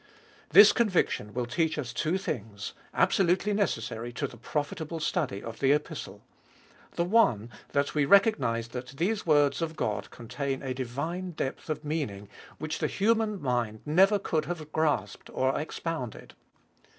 This conviction will teach us two things, absolutely neces sary to the profitable study of the Epistle. The one, that we recognise that these words of God contain a divine depth of meaning which the human mind never could have grasped or expounded.